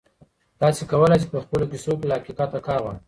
تاسي کولای شئ په خپلو کیسو کې له حقیقت کار واخلئ.